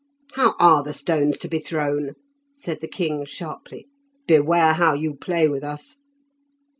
"How are the stones to be thrown?" said the king sharply. "Beware how you play with us."